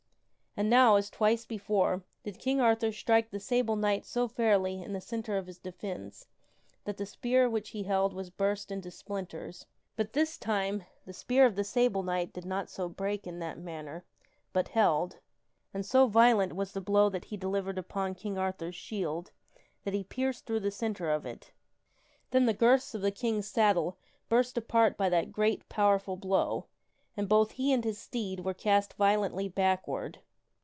And now, as twice before, did King Arthur strike the Sable Knight so fairly in the centre of his defence that the spear which he held was burst into splinters. But this time, the spear of the Sable Knight did not so break in that manner, but held; and so violent was the blow that he delivered upon King Arthur's shield that he pierced through the centre of it. Then the girths of the King's saddle burst apart by that great, pow erful blow, and both he and his steed were cast violently backward.